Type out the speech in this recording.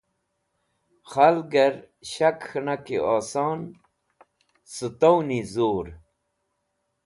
K̃halgẽr shak k̃hẽnaki oson sẽtowni zur.